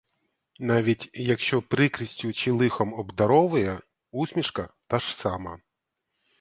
Навіть, якщо прикрістю чи лихом обдаровує, — усмішка та ж сама.